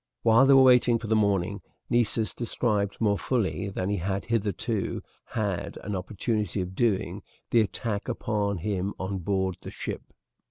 While they were waiting for morning, Nessus described, more fully than he had hitherto had an opportunity of doing, the attack made upon him on board the ship.